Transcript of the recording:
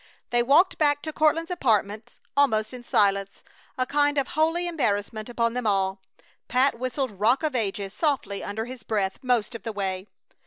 They walked back to Courtland's apartments almost in silence, a kind of holy embarrassment upon them all. Pat whistled "Rock of Ages" softly under his breath most of the way.